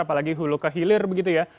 apalagi hulu kehilir begitu ya